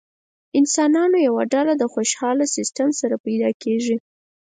انسانانو یوه ډله خوشاله سیستم سره پیدا کېږي.